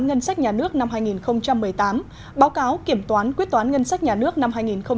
ngân sách nhà nước năm hai nghìn một mươi tám báo cáo kiểm toán quyết toán ngân sách nhà nước năm hai nghìn một mươi tám